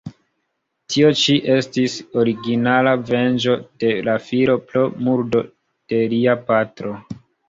Tio ĉi estis originala venĝo de la filo pro murdo de lia patro.